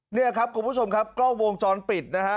นี่ครับคุณผู้ชมครับกล้องวงจรปิดนะฮะ